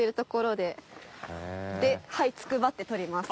ではいつくばって撮ります。